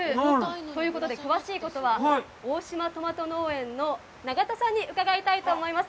ということで、詳しいことは大島とまと農園の永田さんに伺いたいと思います。